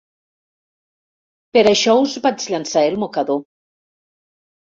Per això us vaig llançar el mocador.